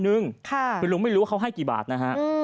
คือลุงไม่รู้ว่าเขาให้กี่บาทนะฮะ